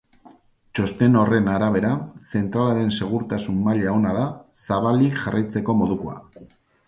Txosten horren arabera, zentralaren segurtasun maila ona da, zabalik jarraitzeko modukoa.